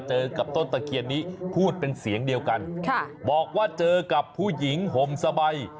เจอกับต้นตะเคียนนี้พูดเป็นเสียงเดียวกันบอกว่าเจอกับผู้หญิงห่มสบาย